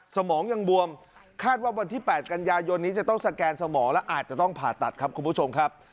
สมองยังบวมคาดว่าวันที่๘กันยายนนี้จะต้องสแกนสมองและอาจจะต้องผ่าตัดครับคุณผู้ชมครับ